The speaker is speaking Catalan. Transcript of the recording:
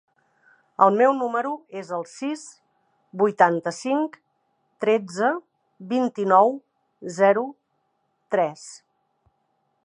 El meu número es el sis, vuitanta-cinc, tretze, vint-i-nou, zero, tres.